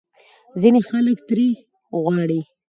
ځینې خلک ترې غواړي